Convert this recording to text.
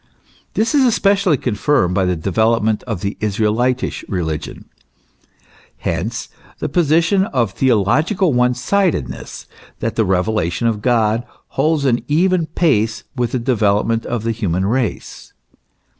This is especially confirmed by the development of the Israelitish religion. Hence the position of theological one sidedness, that the revelation of God holds an even pace with the development of the human race.